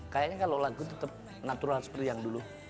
kayaknya kalau lagu tetap natural seperti yang dulu